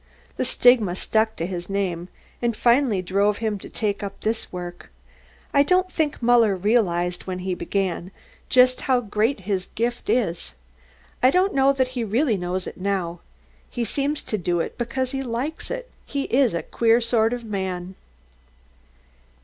"The stigma stuck to his name, and finally drove him to take up this work. I don't think Muller realised, when he began, just how greatly he is gifted. I don't know that he really knows now. He seems to do it because he likes it he's a queer sort of man."